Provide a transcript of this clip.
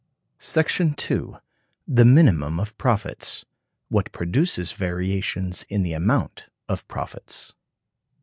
The Minimum of Profits; what produces Variations in the Amount of Profits.